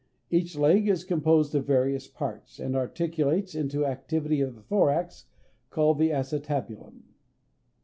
Each leg is composed of various parts, and articulates into a cavity of the thorax called the acetabulum.